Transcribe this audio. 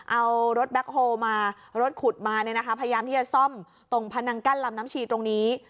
เอารถแบ็คโฮลมารถขุดมาเนี่ยนะคะพยายามที่จะซ่อมตรงพนังกั้นลำน้ำชีตรงนี้